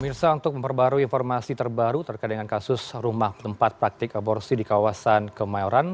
mirsa untuk memperbarui informasi terbaru terkait dengan kasus rumah tempat praktik aborsi di kawasan kemayoran